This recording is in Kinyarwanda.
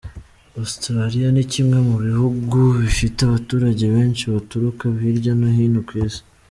Australia ni kimwe mu bihugu bifite abaturage benshi baturuka hirya no hino ku isi.